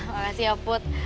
makasih ya put